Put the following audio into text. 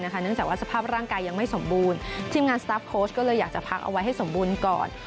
เนื่องจากว่าสภาพร่างกายยังไม่สมบูรณ์ทีมงานสตาร์ฟโค้ชก็เลยอยากจะพักเอาไว้ให้สมบูรณ์ก่อน